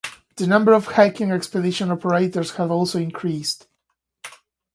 The number of hiking expedition operators had also increased.